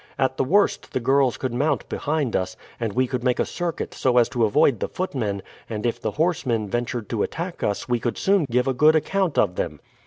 At the worst the girls could mount behind us, and we could make a circuit so as to avoid the footmen, and if the horsemen ventured to attack us we could soon give a good account of them."